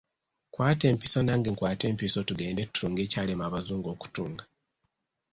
Kwata empiso nange nkwate empiso tugende tutunge ekyalema abazungu okutunga.